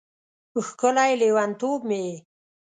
ښکلی لیونتوب مې یې